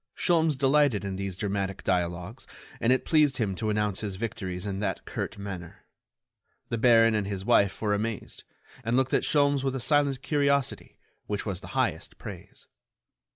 Sholmes delighted in these dramatic dialogues, and it pleased him to announce his victories in that curt manner. The baron and his wife were amazed, and looked at Sholmes with a silent curiosity, which was the highest praise.